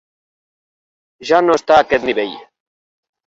Ja no està a aquest nivell.